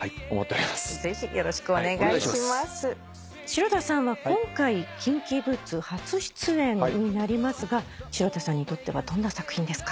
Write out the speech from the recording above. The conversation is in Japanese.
城田さんは今回『キンキーブーツ』初出演になりますが城田さんにとってはどんな作品ですか？